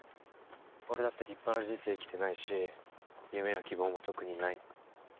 俺だって立派な人生生きてないし夢や希望も特にない。